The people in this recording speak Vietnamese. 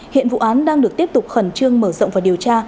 hiện vụ án đang được tiếp tục khẩn trương mở rộng và điều tra